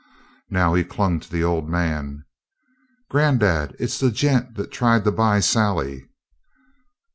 Now he clung to the old man. "Granddad, it's the gent that tried to buy Sally!"